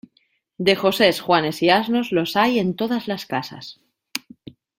De Josés, Juanes y asnos, los hay en todas las casas.